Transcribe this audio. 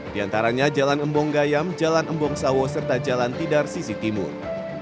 di antaranya jalan embong gayam jalan embong sawo serta jalan tidar sisi timur